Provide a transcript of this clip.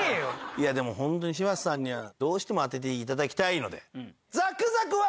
いやでもホントに柴田さんにはどうしても当てて頂きたいので。